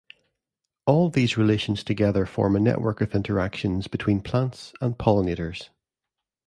All these relations together form a network of interactions between plants and pollinators.